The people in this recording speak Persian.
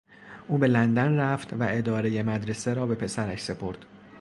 او به لندن رفت و ادارهی مدرسه را به پسرش سپرد.